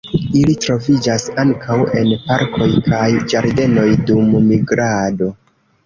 Ili troviĝas ankaŭ en parkoj kaj ĝardenoj dum migrado.